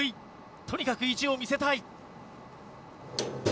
とにかく意地を見せたい。